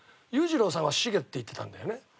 裕次郎さんは「シゲ」って言ってたんだよね